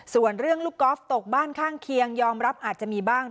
ส่วนเรื่องลูกกอล์ฟตกบ้านข้างเคียงยอมรับอาจจะมีบ้าง